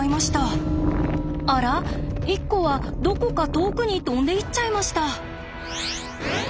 あら１個はどこか遠くに飛んでいっちゃいました。